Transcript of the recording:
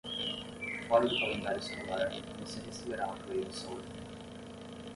Fora do calendário escolar, você receberá apoio de saúde.